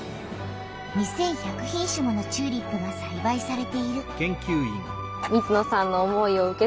２，１００品種ものチューリップがさいばいされている。